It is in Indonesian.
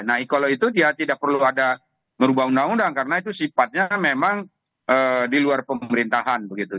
nah kalau itu dia tidak perlu ada merubah undang undang karena itu sifatnya memang di luar pemerintahan begitu